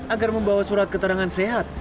agar membawa surat keterangan sehat